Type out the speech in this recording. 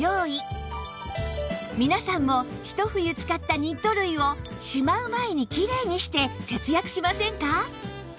皆さんもひと冬使ったニット類をしまう前にきれいにして節約しませんか？